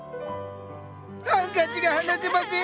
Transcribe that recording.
ハンカチが離せません！